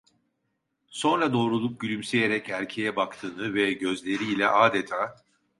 Sonra doğrulup gülümseyerek erkeğe baktığını ve gözleriyle adeta…